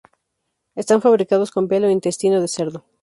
Están fabricados con piel o intestino de cerdo.